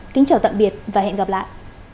kính chào tạm biệt và hẹn gặp lại